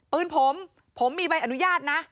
ปืนผมผมมีใบอนุญาตนะ